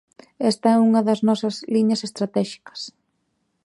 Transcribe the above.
Esta é unha das nosas liñas estratéxicas.